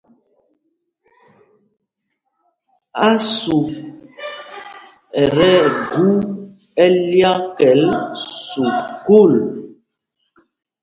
Ásup ɛ tí gú ɛ́lyákɛl sukûl.